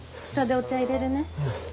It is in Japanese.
下でお茶いれるね。